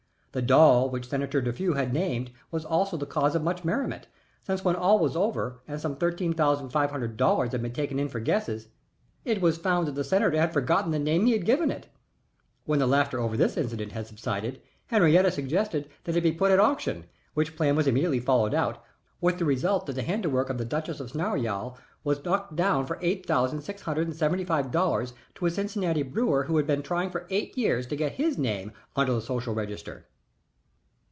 The doll which Senator Defew had named was also the cause of much merriment, since when all was over and some thirteen thousand five hundred dollars had been taken in for guesses, it was found that the senator had forgotten the name he had given it. When the laughter over this incident had subsided, Henriette suggested that it be put up at auction, which plan was immediately followed out, with the result that the handiwork of the duchess of Snarleyow was knocked down for eight thousand six hundred and seventy five dollars to a Cincinnati brewer who had been trying for eight years to get his name into the Social Register.